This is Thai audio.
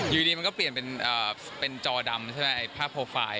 อยู่ดีมันก็เปลี่ยนเป็นจอดำใช่ไหมไอ้ภาพโปรไฟล์